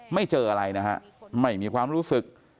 ไม่เจออะไรนะฮะไม่มีความรู้สึก